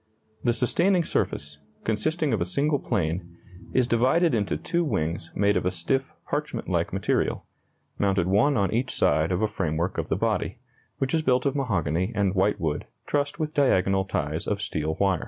The sustaining surface, consisting of a single plane, is divided into two wings made of a stiff parchment like material, mounted one on each side of a framework of the body, which is built of mahogany and whitewood trussed with diagonal ties of steel wire.